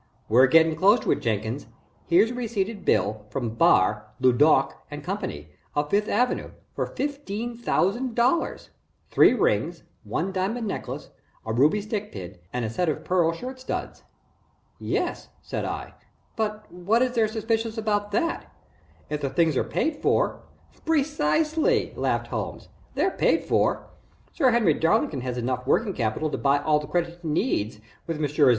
"We're getting close to it, Jenkins. Here's a receipted bill from Bar, LeDuc & Co., of Fifth Avenue, for $15,000 three rings, one diamond necklace, a ruby stick pin, and a set of pearl shirt studs." "Yes," said I, "but what is there suspicious about that? If the things are paid for " "Precisely," laughed Holmes. "They're paid for. Sir Henry Darlington has enough working capital to buy all the credit he needs with Messrs.